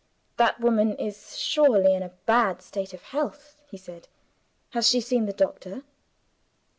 "That woman is surely in a bad state of health," he said. "Has she seen the doctor?"